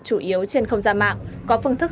chủ yếu trên không gian mạng có phương thức